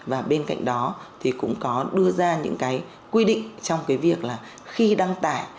và bên cạnh đó thì cũng có đưa ra những cái quy định trong cái việc là khi đăng tải